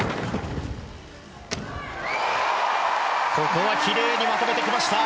ここはきれいにまとめてきました！